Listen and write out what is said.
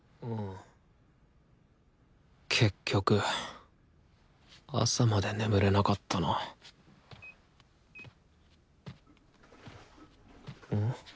結局朝まで眠れなかったなん？